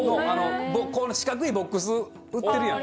四角いボックス売ってるやん。